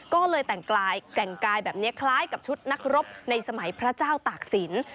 ก็เลยแต่งกายแบบนี้คล้ายกับชุดนักรบในสมัยพระเจ้าตากศิลป์